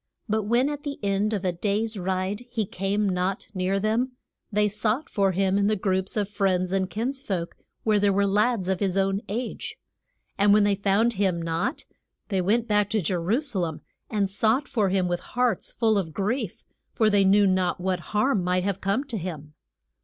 But when at the end of a day's ride he came not near them, they sought for him in the groups of friends and kins folk, where there were lads of his own age. [Illustration: JE SUS WITH THE DOC TORS IN THE TEM PLE.] And when they found him not, they went back to Je ru sa lem, and sought for him with hearts full of grief, for they knew not what harm might have come to him.